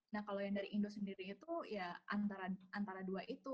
nah kalau yang dari indo sendiri itu ya antara dua itu